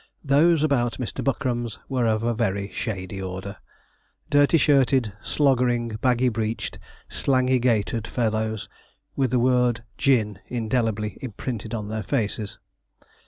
Those about Mr. Buckram's were of a very shady order. Dirty shirted, sloggering, baggy breeched, slangey gaitered fellows, with the word 'gin' indelibly imprinted on their faces.